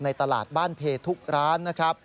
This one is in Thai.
ในตลาดบ้านเพชรทุกร้าน